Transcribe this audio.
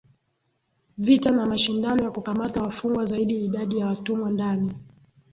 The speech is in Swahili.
vita na mashindano ya kukamata wafungwa zaidi Idadi ya watumwa ndani